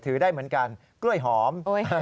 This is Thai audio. ถือได้เหมือนกันกล้วยหอม